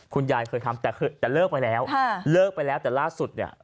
คุณยายเคยทำแต่เลิกไปแล้วเลิกไปแล้วแต่ล่าสุด